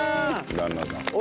旦那さん。